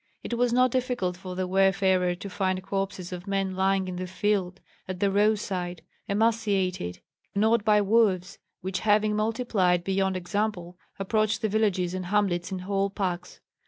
It was not difficult for the wayfarer to find corpses of men lying in the field, at the roadside, emaciated, gnawed by wolves, which having multiplied beyond example approached the villages and hamlets in whole packs.